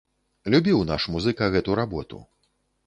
Любіў наш музыка гэту работу.